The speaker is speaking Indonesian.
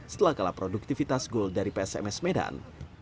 setelah kalah produktivitas gol dari psms medan